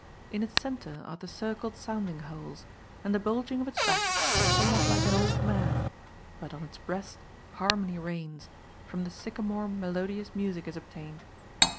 In its centre are the circled sounding holes, and the bulging of its back is somewhat like an old man, but on its breast harmony reigns, from the sycamore melodious music is obtained.